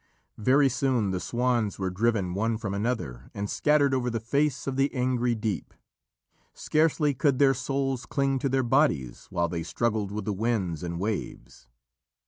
Very soon the swans were driven one from another and scattered over the face of the angry deep. Scarcely could their souls cling to their bodies while they struggled with the winds and waves.